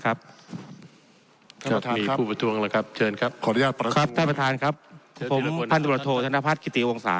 ครับมีผู้ผู้ประชงละครับโทษที่อยากยอมคุณต้องเฉยชเค้ลคุณครับ